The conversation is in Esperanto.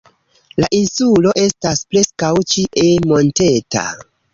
La insulo estas preskaŭ ĉie monteta.